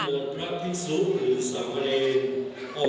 โปรติกสุขหรือสามารย์